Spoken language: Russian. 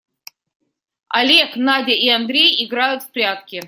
Олег, Надя и Андрей играют в прятки.